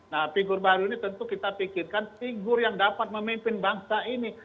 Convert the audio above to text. nah figur baru ini tentu kita pikirkan figur yang dapat memimpin bangsa ini